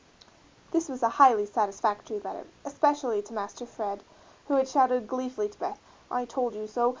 This was a highly satisfactory letter, especially to Master Fred who had shouted gleefully to Beth, "I told you so!"